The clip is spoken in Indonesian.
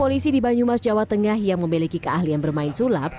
polisi di banyumas jawa tengah yang memiliki keahlian bermain sulap